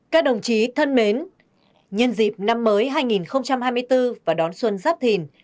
các đồng chí thân mến nhân dịp năm mới hai nghìn hai mươi bốn và đón xuân giáp thìn